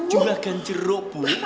juragan jeruk bu